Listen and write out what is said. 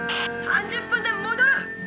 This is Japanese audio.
「３０分でもどる！」。